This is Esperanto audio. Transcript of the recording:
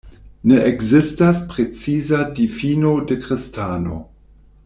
Ne ekzistas preciza difino de kristano.